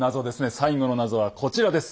最後の謎はこちらです。